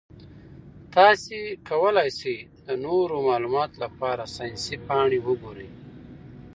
تاسو کولی شئ د نورو معلوماتو لپاره ساینسي پاڼې وګورئ.